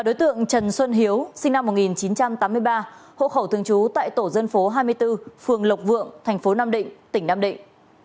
đối tượng trần xuân hiếu sinh năm một nghìn chín trăm tám mươi ba hộ khẩu thường trú tại tổ dân phố hai mươi bốn phường lộc vượng thành phố nam định tỉnh nam định